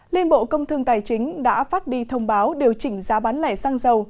liên bộ công thương tài chính đã phát đi thông báo điều chỉnh giá bán lẻ xăng dầu